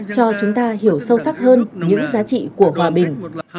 cho chúng ta hiểu sâu sắc hơn những giá trị của hòa bình